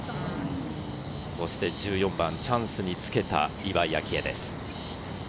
そして１４番、チャンスにつけた岩井明愛です。